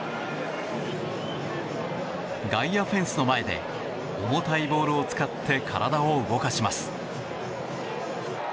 外野フェンスの前で重たいボールを使って体を動かします。